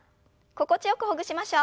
心地よくほぐしましょう。